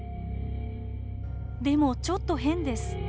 でもちょっと変です。